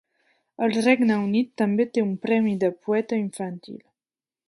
El Regne Unit també té un "premi de poeta infantil".